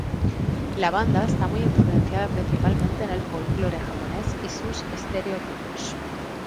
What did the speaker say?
La banda esta muy influenciada principalmente en el folclore japones y sus estereotipos.